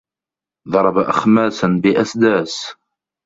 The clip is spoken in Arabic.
ضرب أخماسا بأسداس